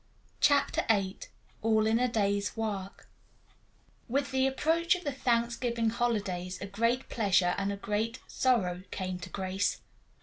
CHAPTER VIII ALL IN THE DAY'S WORK With the approach of the Thanksgiving holidays a great pleasure and a great sorrow came to Grace.